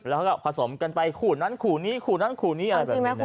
แล้วก็ผสมกันไปขู่นั้นขู่นี้ขู่นั้นขู่นี้อะไรแบบนี้